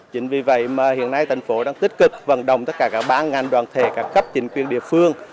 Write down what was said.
chính vì vậy mà hiện nay thành phố đang tích cực vận động tất cả các bán ngành đoàn thể các cấp chính quyền địa phương